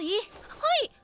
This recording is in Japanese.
はい！